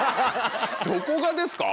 どこがですか？